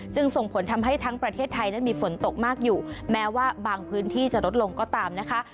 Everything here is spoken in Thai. ส่งผลทำให้ทั้งประเทศไทยนั้นมีฝนตกมากอยู่แม้ว่าบางพื้นที่จะลดลงก็ตามนะคะ